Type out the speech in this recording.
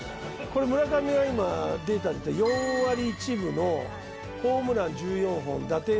これ村上が今データ出てる４割１分のホームラン１４本打点３５。